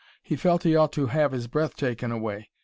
He felt he ought to have his breath taken away.